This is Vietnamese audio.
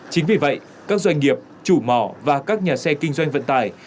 chính vì vậy các doanh nghiệp chủ mỏ và các nhà xe kinh doanh vận tải